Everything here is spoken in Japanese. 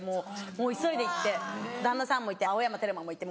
もう急いで行って旦那さんもいて青山テルマもいて。